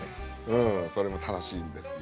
うんそれも楽しいんですよ。